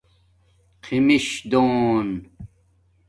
خیمش دُون